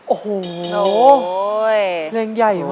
โอ้โหเร็งใหญ่มาก